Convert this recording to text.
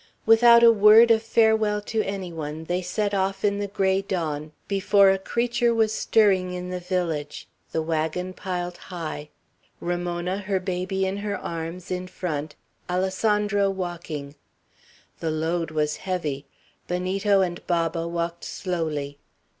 Without a word of farewell to any one, they set off in the gray dawn, before a creature was stirring in the village, the wagon piled high; Ramona, her baby in her arms, in front; Alessandro walking. The load was heavy. Benito and Baba walked slowly.